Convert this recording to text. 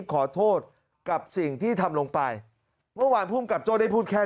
ขอโทษกับสิ่งที่ทำลงไปเมื่อวานภูมิกับโจ้ได้พูดแค่